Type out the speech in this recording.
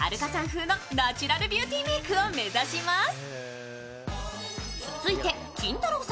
風のナチュラルビューティーメークを目指します。